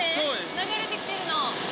流れてきてるの。